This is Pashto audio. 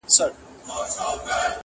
د زاهد به په خلوت کي اور په کور وي!.